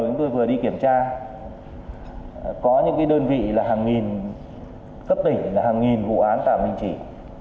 chúng tôi vừa đi kiểm tra có những đơn vị là hàng nghìn cấp tỉnh là hàng nghìn vụ án tạm đình chỉ